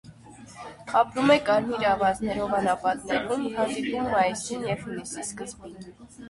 Ապրում է կարմիր ավազներով անապատներում, հանդիպում՝ մայիսին և հունիսի սկզբին։